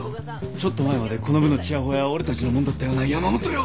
ちょっと前までこの部のちやほやは俺たちのもんだったよな山本よ。